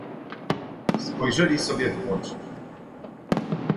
"Spojrzeli sobie w oczy."